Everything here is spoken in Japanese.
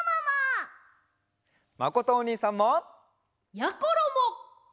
まことおにいさんも！やころも！